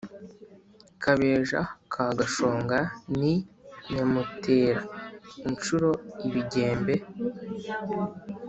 Kabeja ka Gashonga ni Nyamutera-incuro-ibigembe